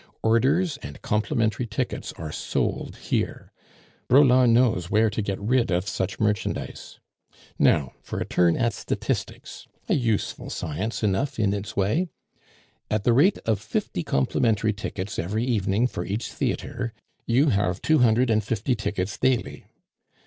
Orders and complimentary tickets are sold here. Braulard knows where to get rid of such merchandise. Now for a turn at statistics, a useful science enough in its way. At the rate of fifty complimentary tickets every evening for each theatre, you have two hundred and fifty tickets daily.